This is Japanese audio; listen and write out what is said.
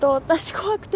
「怖くて」